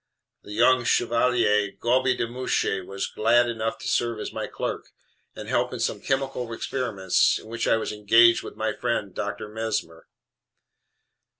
The Young Chevalier Goby de Mouchy was glad enough to serve as my clerk, and help in some chemical experiments in which I was engaged with my friend Dr. Mesmer.